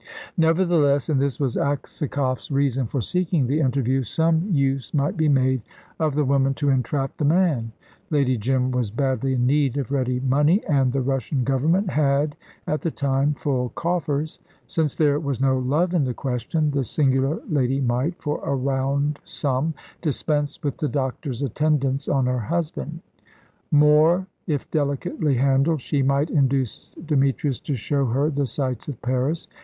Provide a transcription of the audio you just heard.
Nevertheless and this was Aksakoff's reason for seeking the interview some use might be made of the woman to entrap the man. Lady Jim was badly in need of ready money, and the Russian Government had, at the time, full coffers. Since there was no love in the question, this singular lady might, for a round sum, dispense with the doctor's attendance on her husband. More if delicately handled, she might induce Demetrius to show her the sights of Paris.